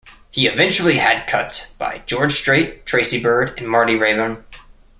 He eventually had cuts by George Strait, Tracy Byrd, and Marty Raybon.